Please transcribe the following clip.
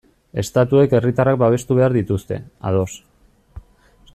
Estatuek herritarrak babestu behar dituzte, ados.